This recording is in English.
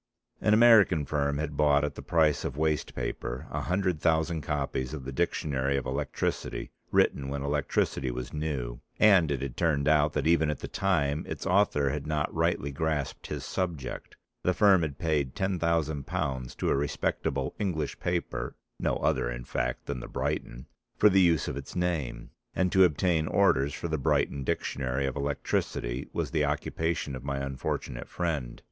An American firm had bought at the price of waste paper a hundred thousand copies of The Dictionary of Electricity written when electricity was new, and it had turned out that even at the time its author had not rightly grasped his subject, the firm had paid £10,000 to a respectable English paper (no other in fact than the Briton) for the use of its name, and to obtain orders for The Briton Dictionary of Electricity was the occupation of my unfortunate friend.